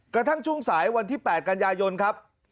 กระทั่งชุ่งสายวันที่๘กันยายนครับ